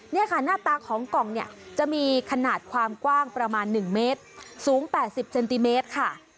นี่ค่ะหน้าตาของกล่องเนี่ยจะมีขนาดความกว้างประมาณ๑เมตรสูง๘๐เซนติเมตรค่ะ